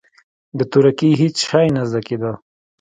د تورکي هېڅ شى نه زده کېده.